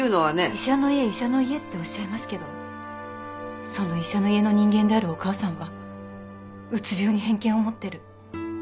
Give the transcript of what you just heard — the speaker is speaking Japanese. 医者の家医者の家っておっしゃいますけどその医者の家の人間であるお母さんはうつ病に偏見を持ってる。